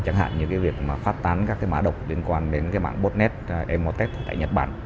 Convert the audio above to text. chẳng hạn như việc phát tán các mã đọc liên quan đến mạng botnet emotep tại nhật bản